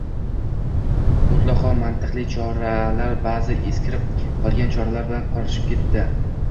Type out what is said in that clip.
mutlaqo mantiqli choralar ba’zi eskirib qolgan choralar bilan qorishib ketdi.